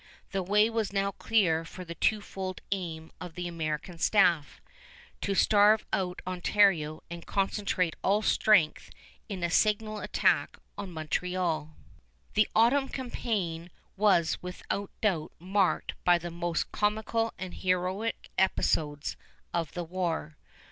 The way was now clear for the twofold aim of the American staff, to starve out Ontario and concentrate all strength in a signal attack on Montreal. The autumn campaign was without doubt marked by the most comical and heroic episodes of the war.